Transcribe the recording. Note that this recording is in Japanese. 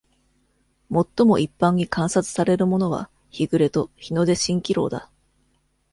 最も一般に観察されるものは、日暮れと日の出蜃気楼だ